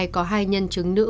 có hai nhân chứng nữ